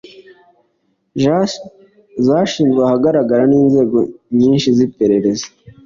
zashizwe ahagaragara n'inzego nyinshi z'iperereza,